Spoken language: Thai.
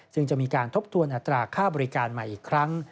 ซึ่งจะมีการทบทวนอัตราค่าบริการใหม่อีกครั้ง